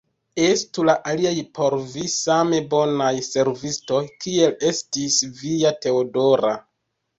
Estu la aliaj por vi same bonaj servistoj, kiel estis via Teodora!